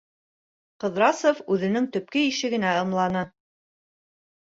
Ҡыҙрасов үҙенең төпкө ишегенә ымланы: